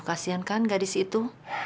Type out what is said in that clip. kasian kan gadis itu